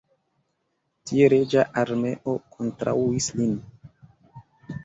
Tie reĝa armeo kontraŭis lin.